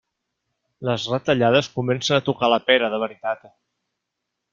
Les retallades comencen a tocar la pera de veritat.